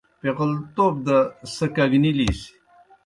پیغلتوب دہ سہ کگنِلِس۔